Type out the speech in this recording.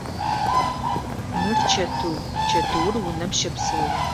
Мыр чэтыу, чэтыур унэм щэпсэу.